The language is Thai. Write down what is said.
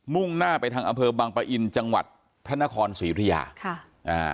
่งหน้าไปทางอำเภอบังปะอินจังหวัดพระนครศรีอุทยาค่ะอ่า